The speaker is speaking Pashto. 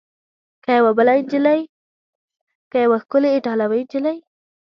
که یوه بله نجلۍ؟ که یوه ښکلې ایټالوۍ نجلۍ؟